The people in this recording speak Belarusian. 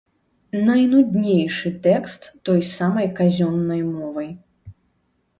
Найнуднейшы тэкст той самай казённай мовай.